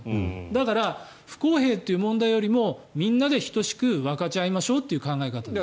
だから不公平という問題よりもみんなで等しく分かち合いましょうという考え方です。